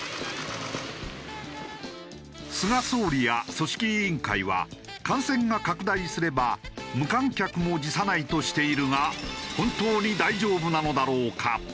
菅総理や組織委員会は感染が拡大すれば無観客も辞さないとしているが本当に大丈夫なのだろうか？